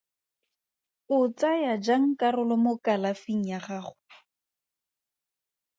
O tsaya jang karolo mo kalafing ya gago?